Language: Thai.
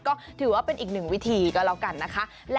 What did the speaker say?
ก็ถือว่าเป็นอีกหนึ่งวิธีก็แล้วกันนะคะ